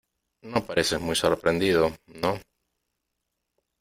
no pareces muy sorprendido , no .